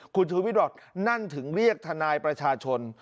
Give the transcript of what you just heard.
คุณชูวิทย์บอกนั่นถึงเรียกทนายประชาชน